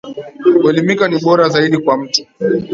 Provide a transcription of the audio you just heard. Kuelimika ni bora zaidi kwa mtu